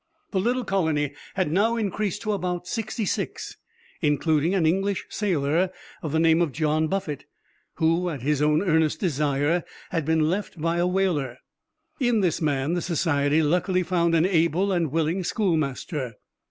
The little colony had now increased to about sixty six, including an English sailor of the name of John Buffett, who, at his own earnest desire, had been left by a whaler. In this man the society luckily found an able and willing schoolmaster.